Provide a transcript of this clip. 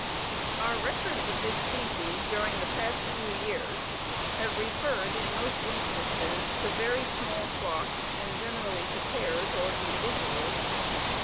Our records of this species during the past few years have referred in most instances, to very small flocks and generally to pairs or individuals.